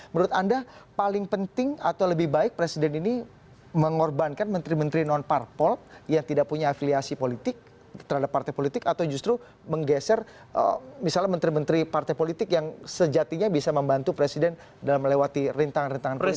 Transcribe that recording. menurut anda paling penting atau lebih baik presiden ini mengorbankan menteri menteri non parpol yang tidak punya afiliasi politik terhadap partai politik atau justru menggeser misalnya menteri menteri partai politik yang sejatinya bisa membantu presiden dalam melewati rintangan rintangan presiden